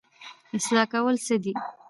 اصلاح کول څه دي؟